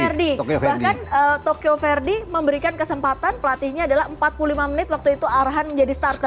bahkan tokyo verde memberikan kesempatan pelatihnya adalah empat puluh lima menit waktu itu arhan menjadi starter